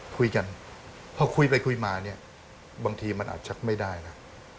คุยกันพอคุยไปคุยมาเนี่ยบางทีมันอาจจะไม่ได้นะ